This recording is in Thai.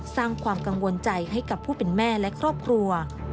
สร้างความกังวลใจให้กับผู้เป็นแม่และครอบครัว